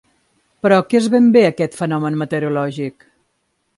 Però què és ben bé aquest fenomen meteorològic?